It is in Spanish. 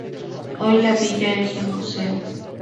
Hoy la villa es un museo.